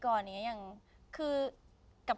ก็เหมือนสมัยก่อนเนี่ยอย่าง